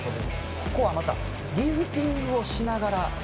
ここはまたリフティングをしながら。